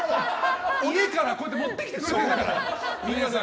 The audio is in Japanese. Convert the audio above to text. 家から、こうやって持ってきてくれてるんだから。